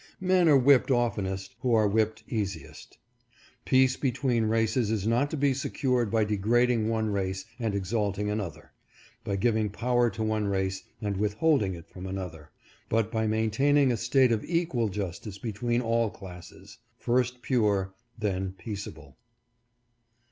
Men are whipped oftenest who are whipped easiest. Peace between races is not to be secured by de grading one race and exalting another ; by giving power to one race and withholding it from another; but by maintaining a state of equal justice between all classes. First pure, then peaceable.